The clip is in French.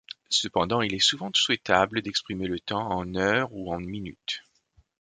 Cependant, il est souvent souhaitable d'exprimer le temps en heures ou en minutes.